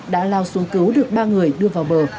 đã lao xuống cứu được ba người đưa vào bờ